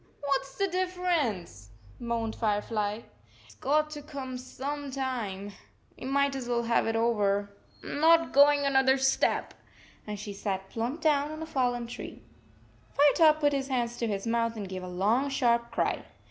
4 What s the difference?" moaned Fire fly. 44 It s got to come some time. We might 52 as well have it over. I m not going another step." And she sat plump down on a fallen tree. 53 Firetop put his hands to his mouth and gave a long sharp cry.